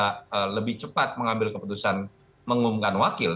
bisa lebih cepat mengambil keputusan mengumumkan wakil